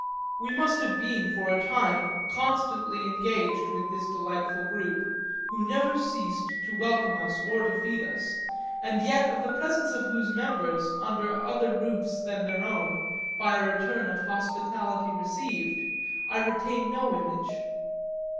We must have been for a time constantly engaged with this delightful group, who never ceased to welcome us or to feed us, and yet of the presence of whose members under other roofs than their own, by a return of hospitality received, I retain no image.